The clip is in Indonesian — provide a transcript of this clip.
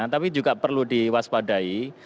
tapi juga perlu diwaspadai